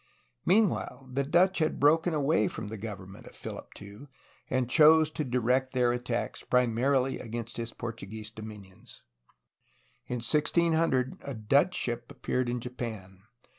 Meanwhile, the Dutch had broken away from the government of Philip II, and chose to direct their attacks primarily against his Portuguese dominions. In 1600 a Dutch ship appeared in Japan.